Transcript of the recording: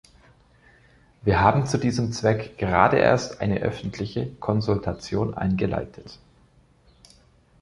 Wir haben zu diesem Zweck gerade erst eine öffentliche Konsultation eingeleitet.